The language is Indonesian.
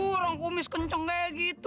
orang kumis kenceng kayak gitu